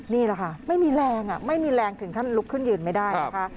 นี่แหละค่ะไม่มีแรงถึงท่านลุกขึ้นยืนไม่ได้นะคะ